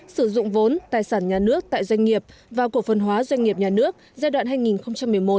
sử dụng vốn tài sản nhà nước tại doanh nghiệp và cổ phân hóa doanh nghiệp nhà nước giai đoạn hai nghìn một mươi sáu hai nghìn một mươi một